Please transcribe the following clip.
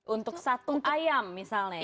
untuk satu ayam misalnya